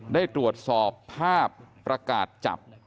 ได้ตรวจสอบภาพประกาศจับ